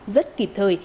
rất kịp thời